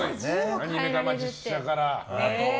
アニメから、実写から。